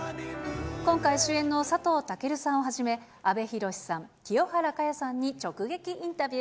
今回主演の佐藤健さんをはじめ、阿部寛さん、清原かやさんに直撃インタビュー。